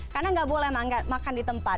karena gak boleh makan di tempat